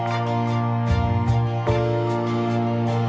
hẹn gặp lại